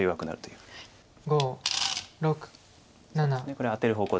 これはアテる方向